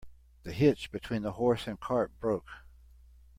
The hitch between the horse and cart broke.